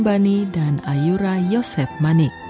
tapi aku tahu yesus dekat